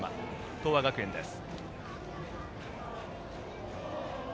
東亜学園です。